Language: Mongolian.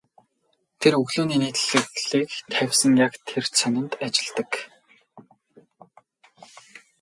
Тэр өглөөний нийтлэлийг тавьсан яг тэр сонинд ажилладаг.